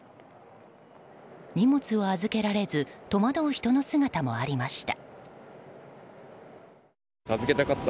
荷物を預けられず戸惑う人の姿もありました。